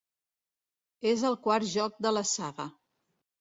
És el quart joc de la saga.